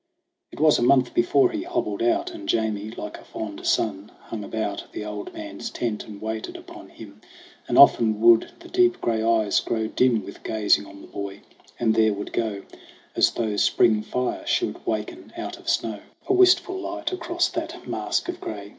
It was a month before he hobbled out, And Jamie, like a fond son, hung about The old man's tent and waited upon him. And often would the deep gray eyes grow dim With gazing on the boy ; and there would go As though Spring fire should waken out of snow GRAYBEARD AND GOLDHAIR 5 A wistful light across that mask of gray.